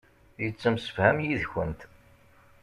Yettemsefham yid-kent.